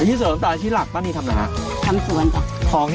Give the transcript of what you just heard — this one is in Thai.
อาชีพเสริมแต่อาชีพหลักป้านีทำอะไรฮะ